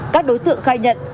các đối tượng khai nhận